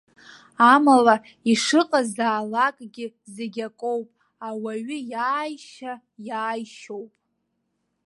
Амала, ишыҟазаалакгьы, зегь акоуп, ауаҩы иааишьа иааишьоуп.